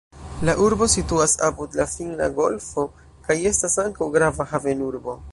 La urbo situas apud la Finna golfo kaj estas ankaŭ grava havenurbo.